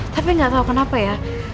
tapi gak tau kenapa ya